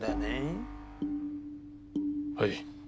はい。